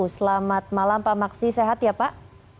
selamat malam pak maksi sehat ya pak